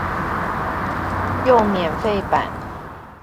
用免費版